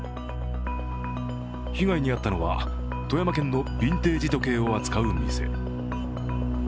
被害に遭ったのは富山県のビンテージ時計を扱う店。